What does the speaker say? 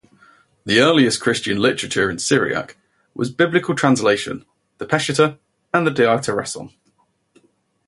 The earliest Christian literature in Syriac was biblical translation, the Peshitta and the Diatessaron.